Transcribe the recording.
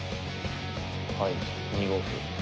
はい２五歩。